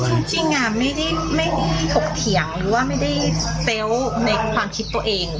จริงไม่ได้ถกเถียงหรือว่าไม่ได้เซลล์ในความคิดตัวเอง